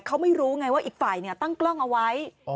เขาไม่รู้ไงว่าอีกฝ่ายตั้งกล้องเอาไว้